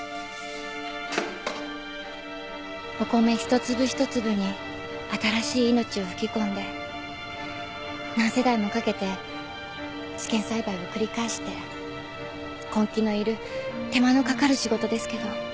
お米一粒一粒に新しい命を吹き込んで何世代もかけて試験栽培を繰り返して根気のいる手間のかかる仕事ですけど。